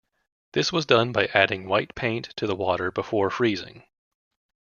This was done by adding white paint to the water before freezing.